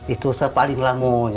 itu sepaling lama